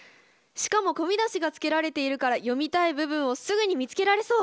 しかも小見出しがつけられているから読みたい部分をすぐに見つけられそう。